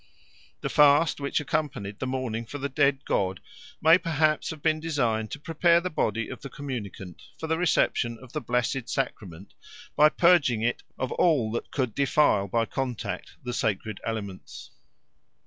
The fast which accompanied the mourning for the dead god may perhaps have been designed to prepare the body of the communicant for the reception of the blessed sacrament by purging it of all that could defile by contact the sacred elements.